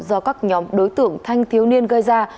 do các nhóm đối tượng thanh thiếu niên gây ra